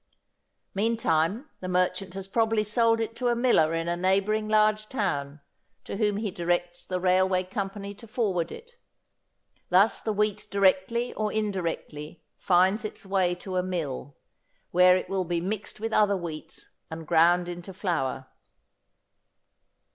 Meantime the merchant has probably sold it to a miller in a neighbouring large town, to whom he directs the railway company to forward it. Thus the wheat directly or indirectly finds its way to a mill, where it will be mixed with other wheats and ground into flour.